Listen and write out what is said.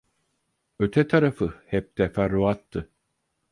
Öte tarafı hep teferruattı.